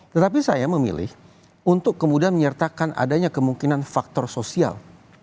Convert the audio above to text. tetapi saya memilih untuk kemudian menyertakan adanya kemungkinan faktor sosial